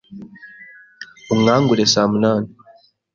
Unkangure saa munani.